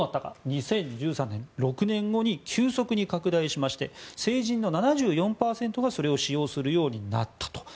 ２０１３年、６年後に急速に拡大しまして成人の７４％がそれを使用するようになったと。